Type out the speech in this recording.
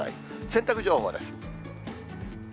洗濯情報です。